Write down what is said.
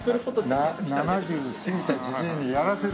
７０過ぎたじじいにやらせる？